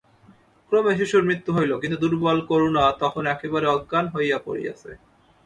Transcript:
ক্রমে শিশুর মৃত্যু হইল, কিন্তু দুর্বল করুণা তখন একেবারে অজ্ঞান হইয়া পড়িয়াছে।